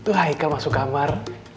tuh haikal masuk kamar